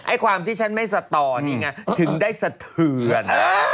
ความที่ฉันไม่สตอนี่ไงถึงได้สะเทือน